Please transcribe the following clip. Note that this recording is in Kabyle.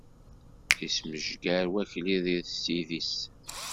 Ismejger Wakli deg sid-is.